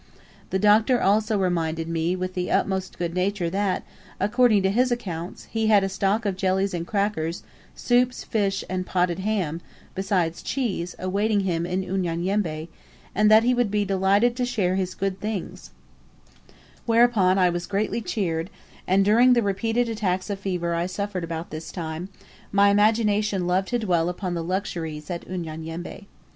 The Doctor also reminded me with the utmost good nature that, according to his accounts, he had a stock of jellies and crackers, soups, fish, and potted ham, besides cheese, awaiting him in Unyanyembe, and that he would be delighted to share his good things; whereupon I was greatly cheered, and, during the repeated attacks of fever I suffered about this time, my imagination loved to dwell upon the luxuries at Unyanyembe.